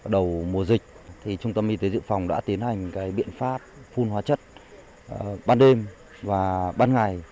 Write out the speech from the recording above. đầu mùa dịch trung tâm y tế dự phòng đã tiến hành biện pháp phun hóa chất ban đêm và ban ngày